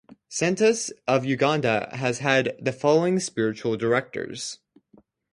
Senatus of Uganda has had the following Spiritual Directors.